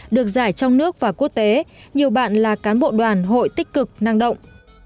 được giải trong nước và quốc tế nhiều bạn là cán bộ đoàn hội tích cực năng động